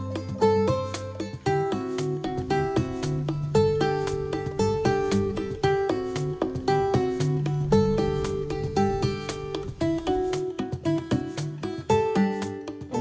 pembangkit listrik tenaga hibrid